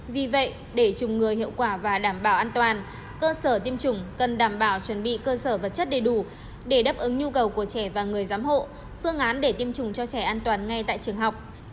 vì vậy để trùng ngừa hiệu quả và đảm bảo an toàn cơ sở tiêm chủng cần đảm bảo chuẩn bị cơ sở vật chất đầy đủ để đáp ứng nhu cầu của trẻ và người giám hộ phương án để tiêm chủng cho trẻ an toàn ngay tại trường học